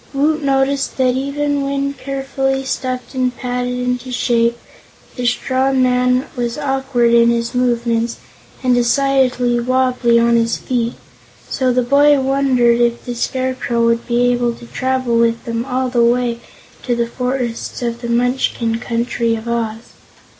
Woot noticed that even when carefully stuffed and patted into shape, the straw man was awkward in his movements and decidedly wobbly on his feet, so the boy wondered if the Scarecrow would be able to travel with them all the way to the forests of the Munchkin Country of Oz.